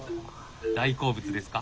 大好物ですか？